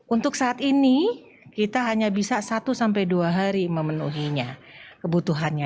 untuk saat ini kita hanya bisa satu sampai dua hari memenuhinya kebutuhannya